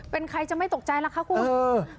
เป็นใครจะไม่ตกใจล่ะคะคุณ